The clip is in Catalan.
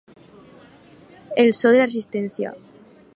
El so de la resistència.